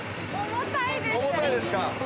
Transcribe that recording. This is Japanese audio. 重たいです。